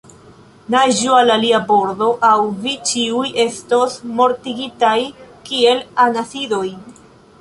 Naĝu al alia bordo, aŭ vi ĉiuj estos mortigitaj, kiel anasidoj!